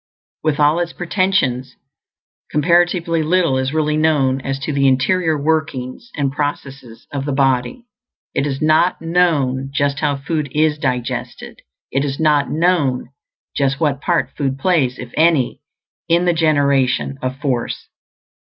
With all its pretensions, comparatively little is really known as to the interior workings and processes of the body. It is not known just how food is digested; it is not known just what part food plays, if any, in the generation of force.